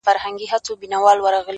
o دا غرونه غرونه پـه واوښـتـل ـ